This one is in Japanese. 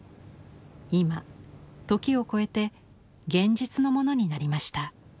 今時を超えて現実のものになりました。